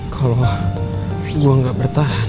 kalau gue gak bertahan